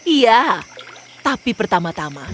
iya tapi pertama tama